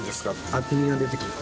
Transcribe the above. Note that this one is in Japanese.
厚みが出てくる。